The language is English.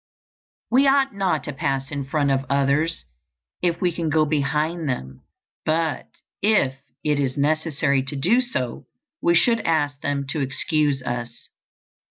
We ought not to pass in front of others if we can go behind them; but if it is necessary to do so, we should ask them to excuse us.